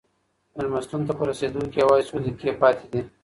مېلمستون ته په رسېدو کې یوازې څو دقیقې پاتې دي.